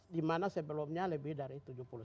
dimana sebelumnya lebih dari tujuh puluh sembilan